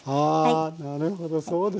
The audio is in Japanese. ああなるほどそうですか。